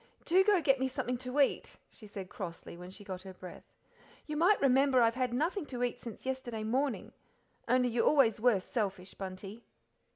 "Do go and get me something to eat," she said crossly, when she got her breath "you might remember I've had nothing to eat since yesterday morning; only you always were selfish, Bunty."